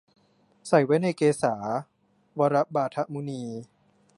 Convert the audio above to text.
ใส่ไว้ในเกศา วระบาทะมุนี